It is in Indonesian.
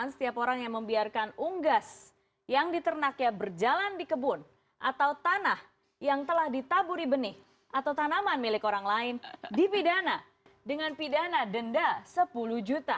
setiap orang yang membiarkan unggas yang diternaknya berjalan di kebun atau tanah yang telah ditaburi benih atau tanaman milik orang lain dipidana dengan pidana denda sepuluh juta